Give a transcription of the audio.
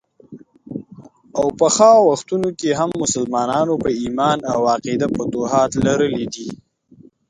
او پخوا وختونو کې هم مسلمانانو په ايمان او عقیده فتوحات لرلي دي.